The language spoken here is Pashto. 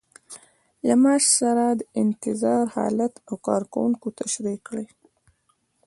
له معاش سره د انتظار حالت او کارکوونکي تشریح کړئ.